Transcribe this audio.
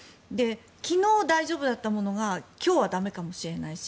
昨日大丈夫だったものが今日は駄目かもしれないし